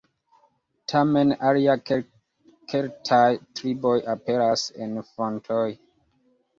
Tamen aliaj keltaj triboj aperas en fontoj.